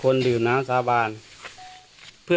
ข้าพเจ้านางสาวสุภัณฑ์หลาโภ